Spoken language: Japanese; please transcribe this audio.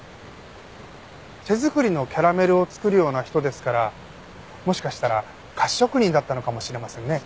手作りのキャラメルを作るような人ですからもしかしたら菓子職人だったのかもしれませんね。